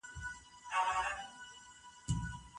هڅه پرته بریا نه راځي.